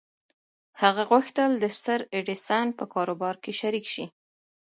هغه غوښتل د ستر ايډېسن په کاروبار کې شريک شي.